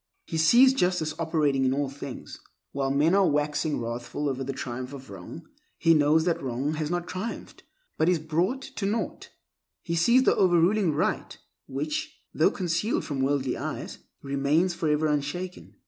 He sees justice operating in all things. While men are waxing wrathful over the triumph of wrong, he knows that wrong has not triumphed, but is brought to naught. He sees the overruling Right which, though concealed from worldly eyes, remains forever unshaken.